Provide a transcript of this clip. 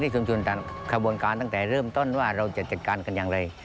ชุมชนขบวนการตั้งแต่เริ่มต้นว่าเราจะจัดการกันอย่างไร